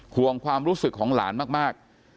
ห่วงความรู้สึกของหลานมาก